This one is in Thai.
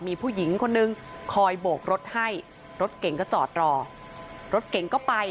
มีผู้หญิงคนนึงคอยโบกรถให้รถเก่งก็จอดรอรถเก่งก็ไป